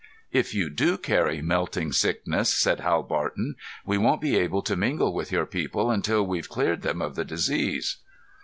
"If you do carry melting sickness," said Hal Barton, "we won't be able to mingle with your people until we've cleared them of the disease."